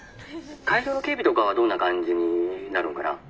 会場の警備とかはどんな感じになるんかな？